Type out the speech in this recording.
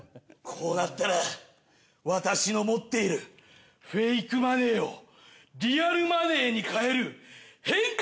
こうなったら私の持っているフェイクマネーをリアルマネーに替える変換